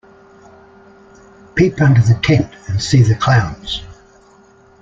Peep under the tent and see the clowns.